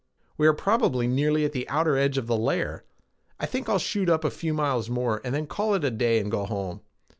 We are probably nearly at the outer edge of the layer. I think I'll shoot up a few miles more and then call it a day and go home.